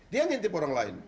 dia yang intip orang lain